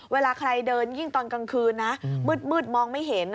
เวลาใครเดินยิ่งตอนกลางคืนนะมืดมองไม่เห็น